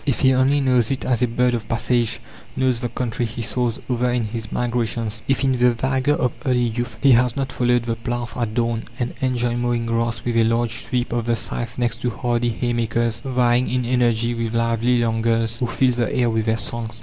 If he only knows it as a bird of passage knows the country he soars over in his migrations? If, in the vigour of early youth, he has not followed the plough at dawn, and enjoyed mowing grass with a large sweep of the scythe next to hardy haymakers vying in energy with lively young girls who fill the air with their songs?